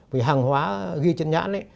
vì hàng hóa ghi trên nhãn